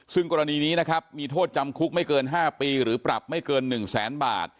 ซึ่งกรณีนี้นะครับมีโทษจำคุกไม่เกิน๕ปีหรือปรับไม่เกิน๑แสนบาท